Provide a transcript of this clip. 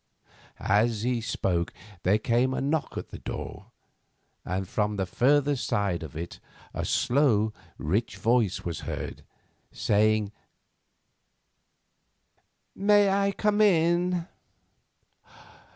As he spoke there came a knock at the door, and from the further side of it a slow, rich voice was heard, saying: "May I come in?"